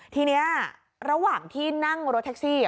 ทีนี้ระหว่างที่นั่งรถแท็กซี่